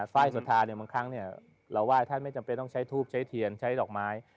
ฝ้ายสัทธานิบลังค์ครั้งเราไหว้ถ้าไม่จำเป็นต้องใช้ธุปใช้เทียนใช้ดอกไม้